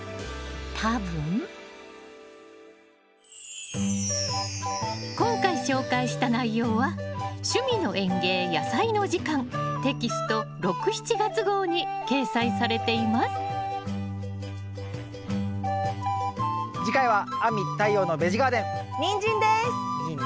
多分今回紹介した内容は「趣味の園芸やさいの時間」テキスト６・７月号に掲載されていますニンニン。